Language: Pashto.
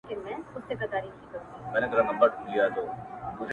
نور مينه نه کومه دا ښامار اغزن را باسم.